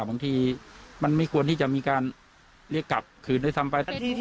บางทีมันไม่ควรที่จะมีการเรียกกลับคืนด้วยซ้ำไป